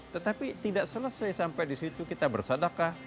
tetapi tidak selesai sampai disitu kita bersadaka